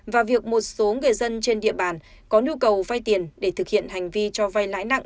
và việc một số người dân trên địa bàn có nhu cầu vay tiền để thực hiện hành vi cho vay lãi nặng